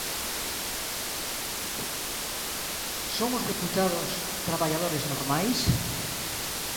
Son os deputados "traballadores normais"?